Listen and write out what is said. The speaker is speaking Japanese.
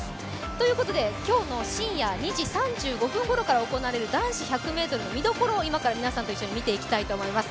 ということで今日の深夜２時３５分ごろから行われる男子１００ｍの見どころを今から皆さんと見ていきたいと思います。